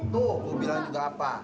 tuh gue bilang juga apa